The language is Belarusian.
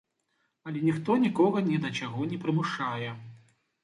Але ніхто нікога не да чаго не прымушае.